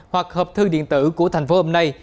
hoặc hợp thư điện tử của thành phố hôm nay